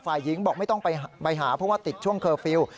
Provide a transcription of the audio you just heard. ฝ่ายหญิงบอกไม่ต้องไปหาเพราะว่าติดช่วงเคอร์ฟิลล์